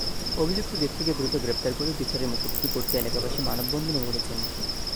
অভিযুক্ত ব্যক্তিকে দ্রুত গ্রেপ্তার করে বিচারের মুখোমুখি করতে এলাকাবাসী মানববন্ধনও করেছেন।